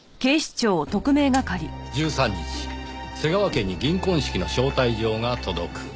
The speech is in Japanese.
１３日瀬川家に銀婚式の招待状が届く。